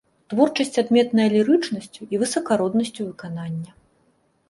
Творчасць адметная лірычнасцю і высакароднасцю выканання.